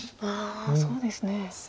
そうですね。